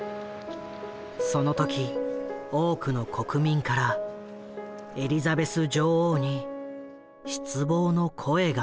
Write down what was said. その時多くの国民からエリザベス女王に失望の声があがった。